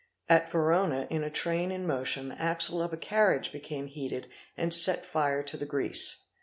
At Verona in a train in motion the axle of a carriage became heated and set fire to the grease.